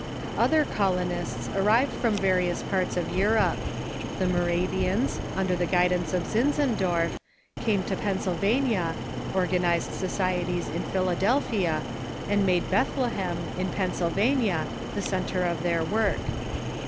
Other colonists arrived from various parts of Europe. The Moravians, under the guidance of Zinzendorf, came to Penn sylvania, organized societies in Philadelphia, and made Beth lehem, in Pennsylvania, the centre of their work.